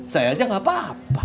saya aja gak apa apa